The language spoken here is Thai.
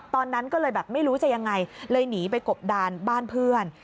ตอนนั้นก็เลยแบบไม่รู้จะยังไงเลยหนีไปกบดานบ้านเพื่อน